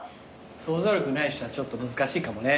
想像力ない人はちょっと難しいかもね。